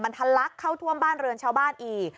ทะลักเข้าท่วมบ้านเรือนชาวบ้านอีก